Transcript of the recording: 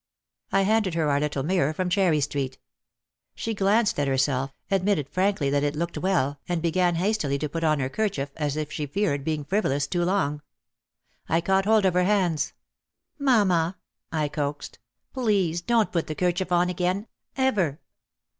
I handed her our little mirror from Cherry Street. She glanced at herself, admitted frankly that it looked well and began hastily to put on her kerchief as if she feared being frivolous too long. I caught hold of her hands. "Mamma," I coaxed, "please don't put the kerchief on again— ever